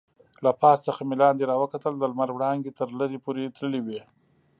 له پاس څخه مې لاندې راوکتل، د لمر وړانګې تر لرې پورې تللې وې.